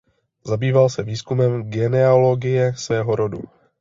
Zabýval se výzkumem genealogie svého rodu.